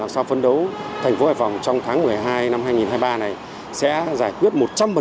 sau phân đấu thành phố hải phòng trong tháng một mươi hai năm hai nghìn hai mươi ba này sẽ giải quyết một trăm linh